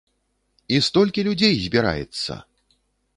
І столькі людзей збіраецца!